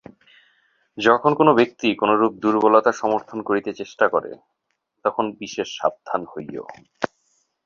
যখন কোন ব্যক্তি কোনরূপ দুর্বলতা সমর্থন করিতে চেষ্টা করে, তখন বিশেষ সাবধান হইও।